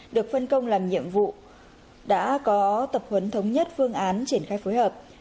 được phân công làm nhiệm vụ đã có tập huấn thống nhất phương án triển khai phối hợp